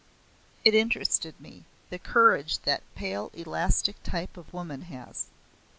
It interested me. The courage that pale elastic type of woman has!